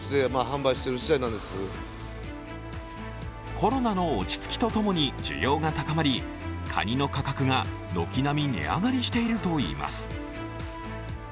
コロナの落ち着きと共に需要が高まり、カニの価格が軒並み値上がりしているといいます。